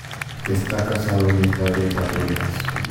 Está casado y es padre de cuatro hijas.